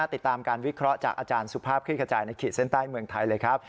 ติดตามการวิเคราะห์จากอาจารย์สุภาพคลิกขจายในขีดเส้นใต้เมืองไทยเลยครับ